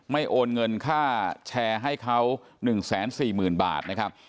โอนเงินค่าแชร์ให้เขา๑๔๐๐๐บาทนะครับ